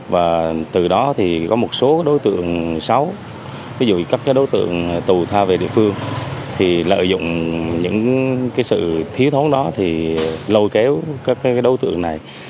và từ đó thì có một số đối tượng xấu ví dụ các đối tượng tù tha về địa phương thì lợi dụng những sự thiếu thốn đó thì lôi kéo các đối tượng này